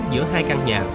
giữa hai căn nhà